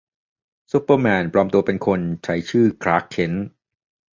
ซูเปอร์แมน ปลอมตัวเป็นคน ใช้ชื่อคลาร์ก เคนต์